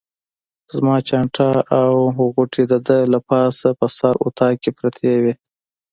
زما چانټه او غوټې د ده له پاسه په سر طاق کې پرتې وې.